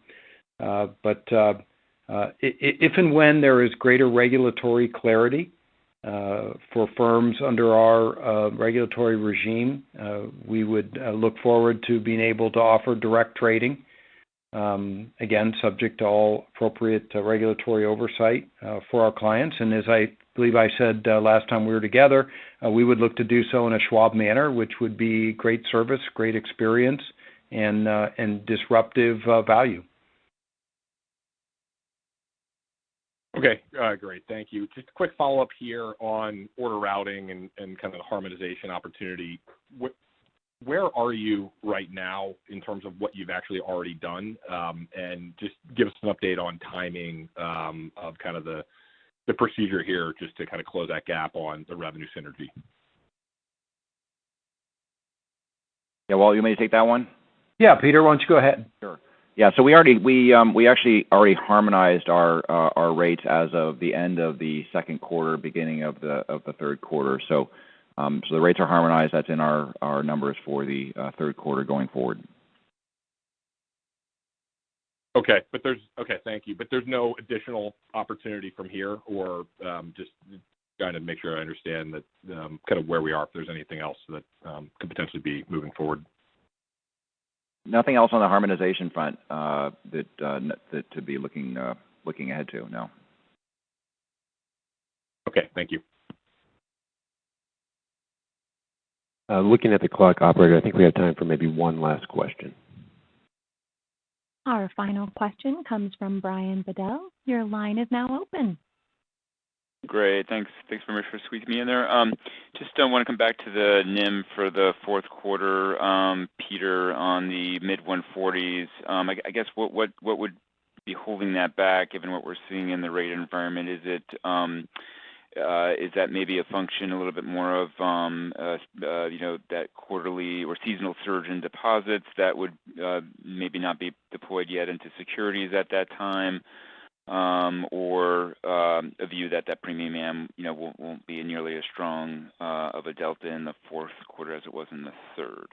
If and when there is greater regulatory clarity for firms under our regulatory regime, we would look forward to being able to offer direct trading, again, subject to all appropriate regulatory oversight for our clients. As I believe I said last time we were together, we would look to do so in a Schwab manner, which would be great service, great experience, and disruptive value. Okay. Great. Thank you. Just quick follow-up here on order routing and kind of the harmonization opportunity. Where are you right now in terms of what you've actually already done? Just give us an update on timing of kind of the procedure here just to kind of close that gap on the revenue synergy. Yeah, Walt, you want me to take that one? Yeah. Peter, why don't you go ahead? Sure. Yeah, we actually already harmonized our rates as of the end of the Q2, beginning of the Q3. The rates are harmonized. That's in our numbers for the Q3 going forward. Okay. Thank you. There's no additional opportunity from here or just trying to make sure I understand that kind of where we are, if there's anything else that could potentially be moving forward? Nothing else on the harmonization front to be looking ahead to, no. Okay. Thank you. Looking at the clock, operator, I think we have time for maybe one last question. Our final question comes from Brian Bedell. Your line is now open. Great. Thanks very much for squeezing me in there. Just want to come back to the NIM for the Q4, Peter, on the mid 140s. I guess, what would be holding that back given what we're seeing in the rate environment? Is that maybe a function a little bit more of that quarterly or seasonal surge in deposits that would maybe not be deployed yet into securities at that time, or a view that that premium AM won't be nearly as strong of a delta in the Q4 as it was in the third?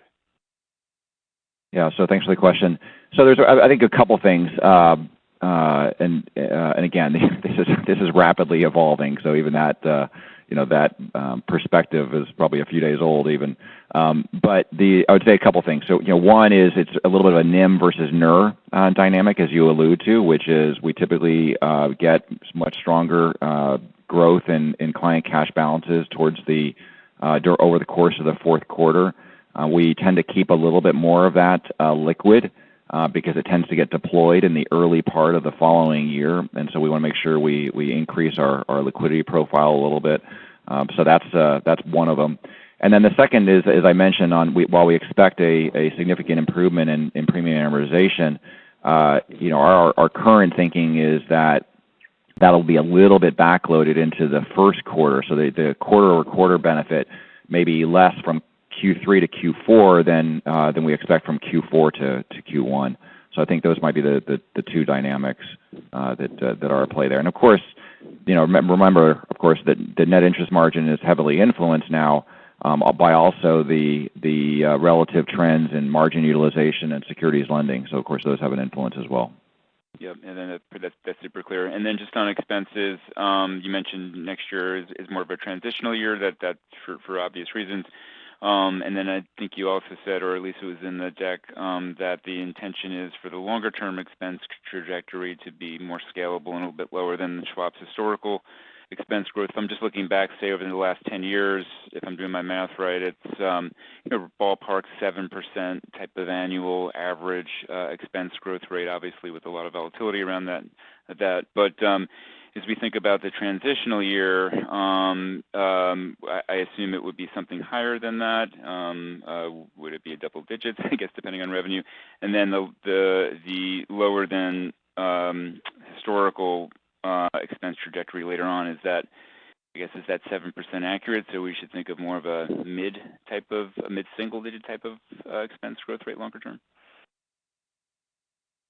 Thanks for the question. There's, I think, a couple things. Again, this is rapidly evolving, so even that perspective is probably a few days old even. I would say a couple things. One is it's a little bit of a NIM versus NIR dynamic, as you allude to, which is we typically get much stronger growth in client cash balances over the course of the Q4. We tend to keep a little bit more of that liquid because it tends to get deployed in the early part of the following year. We want to make sure we increase our liquidity profile a little bit. That's one of them. The second is, as I mentioned, while we expect a significant improvement in premium amortization, our current thinking is that that'll be a little bit backloaded into the Q1, so the quarter-over-quarter benefit may be less from Q3-Q4 than we expect from Q4-Q1. I think those might be the two dynamics that are at play there. Remember, of course, that net interest margin is heavily influenced now by also the relative trends in margin utilization and securities lending. Of course, those have an influence as well. Yep. That's super clear. Just on expenses, you mentioned next year is more of a transitional year, that's for obvious reasons. I think you also said, or at least it was in the deck, that the intention is for the longer-term expense trajectory to be more scalable and a little bit lower than the Schwab's historical expense growth. I'm just looking back, say, over the last 10 years. If I'm doing my math right, it's ballpark 7% type of annual average expense growth rate, obviously with a lot of volatility around that. As we think about the transitional year, I assume it would be something higher than that. Would it be a double digits, I guess, depending on revenue? The lower than historical expense trajectory later on is that, I guess, is that 7% accurate? We should think of more of a mid-single-digit type of expense growth rate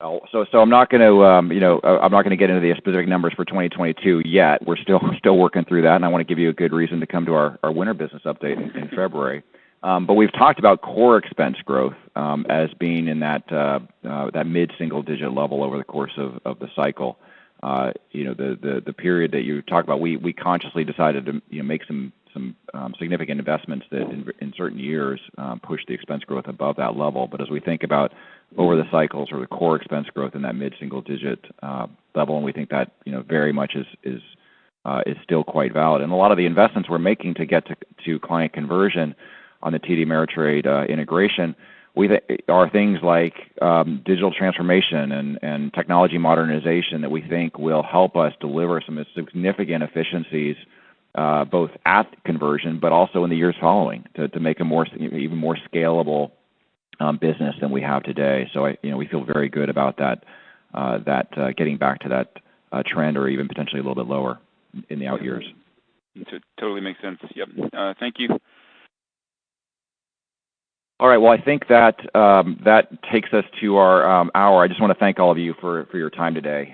longer-term? I'm not going to get into the specific numbers for 2022 yet. We're still working through that, and I want to give you a good reason to come to our winter business update in February. We've talked about core expense growth as being in that mid-single digit level over the course of the cycle. The period that you talked about, we consciously decided to make some significant investments that in certain years pushed the expense growth above that level. As we think about over the cycles or the core expense growth in that mid-single digit level, and we think that very much is still quite valid. A lot of the investments we're making to get to client conversion on the TD Ameritrade integration are things like digital transformation and technology modernization that we think will help us deliver some significant efficiencies both at conversion but also in the years following to make an even more scalable business than we have today. We feel very good about getting back to that trend or even potentially a little bit lower in the out years. It totally makes sense. Yep. Thank you. All right. Well, I think that takes us to our hour. I just want to thank all of you for your time today.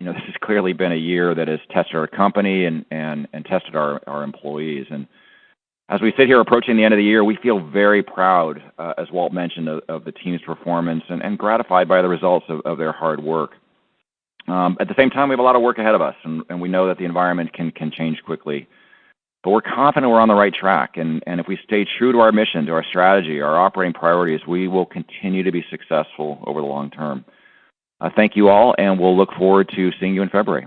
This has clearly been a year that has tested our company and tested our employees. As we sit here approaching the end of the year, we feel very proud, as Walt mentioned, of the team's performance and gratified by the results of their hard work. At the same time, we have a lot of work ahead of us, and we know that the environment can change quickly. We're confident we're on the right track, and if we stay true to our mission, to our strategy, our operating priorities, we will continue to be successful over the long-term. Thank you all, and we'll look forward to seeing you in February.